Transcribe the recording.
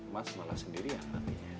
mas malah sendirian